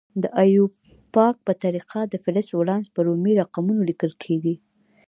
د ایوپاک په طریقه د فلز ولانس په رومي رقمونو لیکل کیږي.